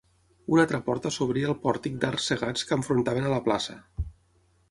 Una altra porta s'obria al pòrtic d'arcs cegats que enfrontaven a la plaça.